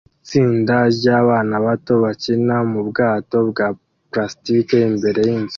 itsinda ryabana bato bakina mubwato bwa plastike imbere yinzu